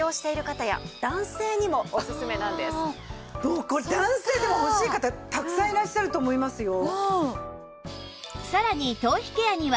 そのためもうこれ男性でも欲しい方たくさんいらっしゃると思いますよ。